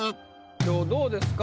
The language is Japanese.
今日どうですか？